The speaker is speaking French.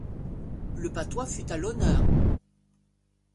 Le patois fut à l'honneur.